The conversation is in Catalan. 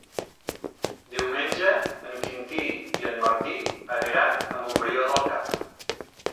Diumenge en Quintí i en Martí aniran a Montbrió del Camp.